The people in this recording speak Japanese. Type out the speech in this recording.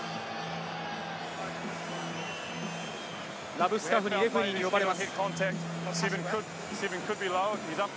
ラブスカフニ、レフェリーに呼ばれます。